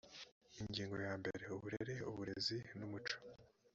ingingo ya mbere uburere uburezi n umuco